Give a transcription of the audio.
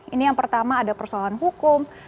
ini yang pertama ada persoalan hukum